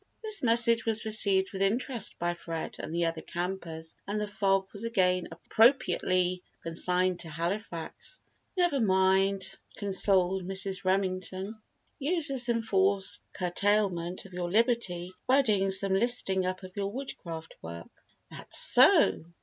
This message was received with interest by Fred and the other campers and the fog was again appropriately consigned to "Halifax." "Never mind," consoled Mrs. Remington; "use this enforced curtailment of your liberty by doing some listing up of your Woodcraft work." "That's so!